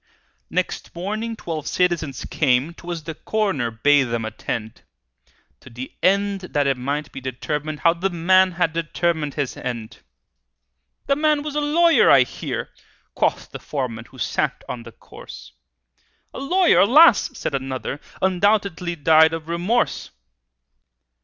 Next morning twelve citizens came ('Twas the coroner bade them attend), To the end that it might be determined How the man had determined his end! "The man was a lawyer, I hear," Quoth the foreman who sat on the corse. "A lawyer? Alas!" said another, "Undoubtedly died of remorse!"